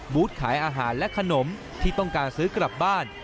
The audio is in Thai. ขายอาหารและขนมที่ต้องการซื้อกลับบ้าน